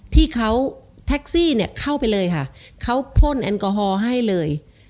ที่เขาแท็กซี่เนี่ยเข้าไปเลยค่ะเขาพ่นแอลกอฮอล์ให้เลย